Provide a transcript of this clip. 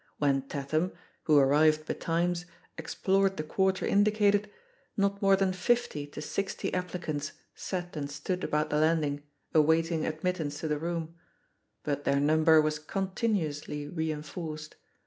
When Tatham, who arrived betimes, explored the quarter indicated, not more than fifty to sixty applicants sat and stood about the landing, awaiting admittance to the room; but their num ber was continuously reinforced.